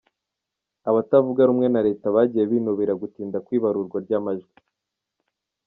Abatavuga rumwe na leta bagiye binubira gutinda kw'ibarurwa ry'amajwi.